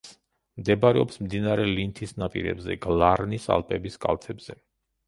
მდებარეობს მდინარე ლინთის ნაპირებზე, გლარნის ალპების კალთებზე.